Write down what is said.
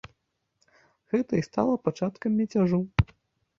Гэта і стала пачаткам мяцяжу.